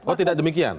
oh tidak demikian